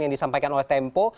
yang disampaikan oleh tempo